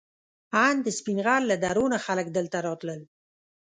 ان د سپین غر له درو نه خلک دلته راتلل.